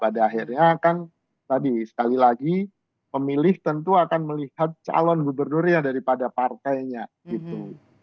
pada akhirnya kan tadi sekali lagi pemilih tentu akan melihat calon gubernurnya daripada partainya gitu